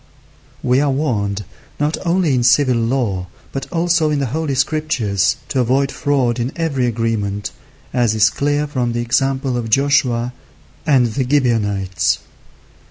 We are warned not only in civil law, but also in the holy Scriptures, to avoid fraud in every agreement, as is clear from the example of Joshua and the Gibeonites.